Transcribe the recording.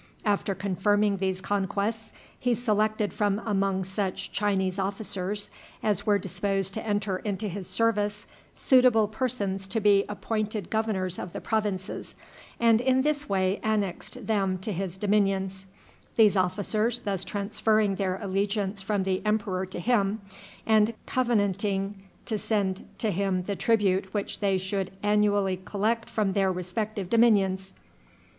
After confirming these conquests, he selected from among such Chinese officers as were disposed to enter into his service suitable persons to be appointed governors of the provinces, and in this way annexed them to his dominions; these officers thus transferring their allegiance from the emperor to him, and covenanting to send to him the tribute which they should annually collect from their respective dominions.